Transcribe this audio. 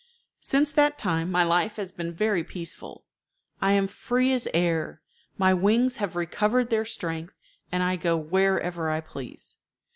Since that time my life has been very peaceful. I am free as air, my wings have recovered their strength, and I go wherever I please.